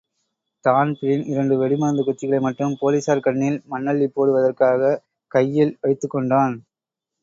Dan Breen இரண்டு வெடிமருந்துக்குச்சுகளை மட்டும், போலிஸார் கண்ணில் மண்ணள்ளிப்போடுவதற்காகக் கையில் வைத்துக்கொண்டான்.